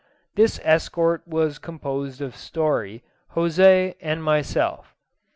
This escort was composed of Story, José, and myself.